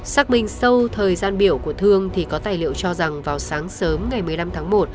xác minh sâu thời gian biểu của thương thì có tài liệu cho rằng vào sáng sớm ngày một mươi năm tháng một